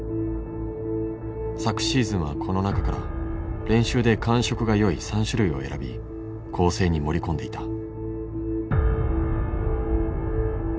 昨シーズンはこの中から練習で感触がよい３種類を選び構成に盛り込んでいた。